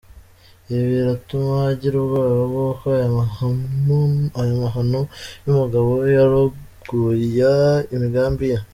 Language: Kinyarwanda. Ibi biratuma agira ubwoba bw’uko aya mahano y’umugabo we yarogoya imigambi ye.